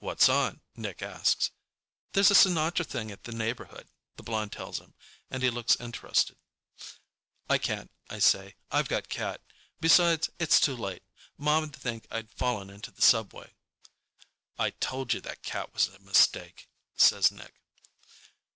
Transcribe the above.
"What's on?" Nick asks. "There's a Sinatra thing at the neighborhood," the blonde tells him, and he looks interested. "I can't," I say. "I've got Cat. Besides, it's too late. Mom'd think I'd fallen into the subway." "I told you that cat was a mistake," says Nick.